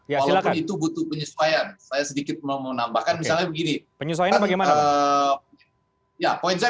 ya itu butuh penyesuaian sedikit mau menambahkan misalnya begini penyesuaian bagaimana ya poin saya